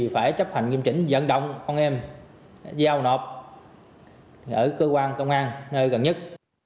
phải chấp hành nghiêm chỉnh dẫn động con em giao nộp ở cơ quan công an nơi gần nhất